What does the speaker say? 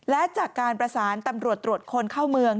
และจากการประสานตำรวจตรวจคนเข้าเมือง